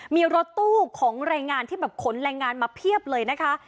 มีรถตู้ของแรงงานที่แบบขนแรงงานมาเพียบเลยนะคะ